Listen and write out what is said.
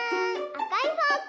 あかいフォーク！